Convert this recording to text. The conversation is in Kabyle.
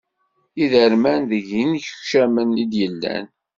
Idermen deg yinekcamen i d-yellan.